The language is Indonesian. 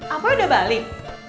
apoy udah balik